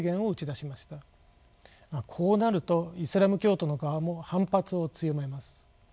こうなるとイスラム教徒の側も反発を強めます。